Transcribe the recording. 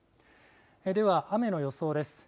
では、雨の予想です。